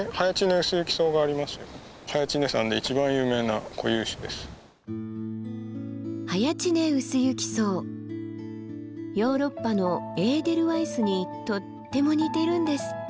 ヨーロッパのエーデルワイスにとっても似てるんですって。